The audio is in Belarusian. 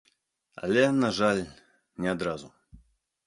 Але, на жаль, не адразу.